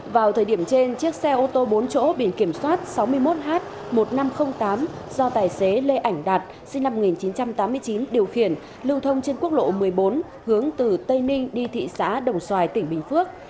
vào thời điểm trên chiếc xe ô tô bốn chỗ biển kiểm soát sáu mươi một h một nghìn năm trăm linh tám do tài xế lê ảnh đạt sinh năm một nghìn chín trăm tám mươi chín điều khiển lưu thông trên quốc lộ một mươi bốn hướng từ tây ninh đi thị xã đồng xoài tỉnh bình phước